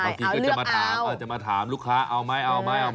เมื่อกี้ก็จะมาถามลูกค้าเอาไหม